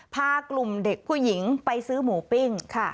พากลุ่มเด็กผู้หญิงไปซื้อหมูปิ้ง